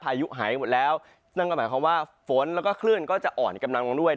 ยุหายหมดแล้วนั่นก็หมายความว่าฝนแล้วก็คลื่นก็จะอ่อนกำลังลงด้วย